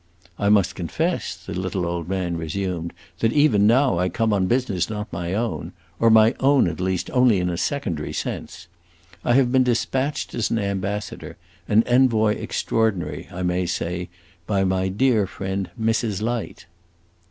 "I must confess," the little old man resumed, "that even now I come on business not of my own or my own, at least, only in a secondary sense. I have been dispatched as an ambassador, an envoy extraordinary, I may say, by my dear friend Mrs. Light."